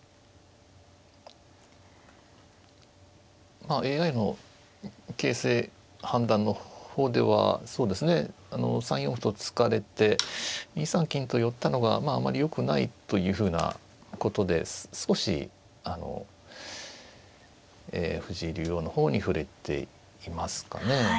まあＡＩの形勢判断の方ではそうですね３四歩と突かれて２三金と寄ったのがあまりよくないというふうなことで少しあの藤井竜王の方に振れていますかね。